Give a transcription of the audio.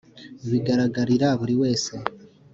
bigaragarira buri wese